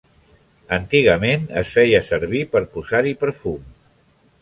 Antigament es feia servir per posar-hi perfum.